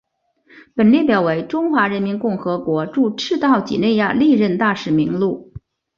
本列表为中华人民共和国驻赤道几内亚历任大使名录。